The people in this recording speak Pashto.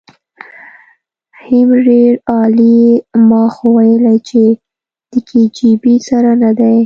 حم ډېر عالي ما خو ويلې چې د کي جي بي سره ندی.